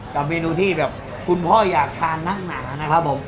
กับเมนูที่แบบคุณพ่ออยากทานนักหนานะครับผม